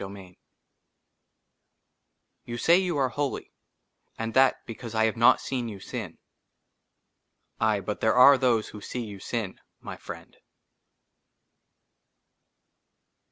54 I ,T YOU SAY YOU ARE HOLY, AND THAT BECAUSE 1 HAVE NOT SEEN YOU SIN. AYE, BUT THERE ARE THOSE WHO SEE YOU SIN, MY FRIEND.